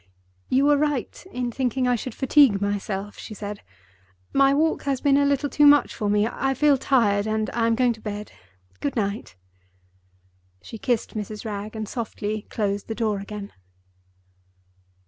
"You were right in thinking I should fatigue myself," she said. "My walk has been a little too much for me. I feel tired, and I am going to bed. Good night." She kissed Mrs. Wragge and softly closed the door again.